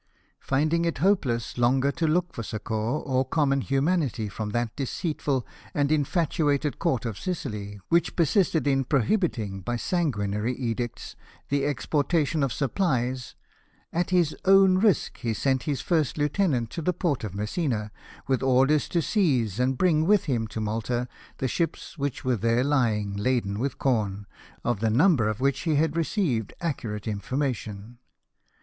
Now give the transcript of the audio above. Finding it hopeless longer to look for succour or common humanity from the deceitful and infatuated court of Sicily, which persisted in prohibiting, by sangumary edicts, the exportation of supplies, at his own risk he sent his first lieutenant to the port of Messina, with orders to seize, and bring with him to Malta, the ships which were there lying laden with corn, of the number of which he had received accurate information.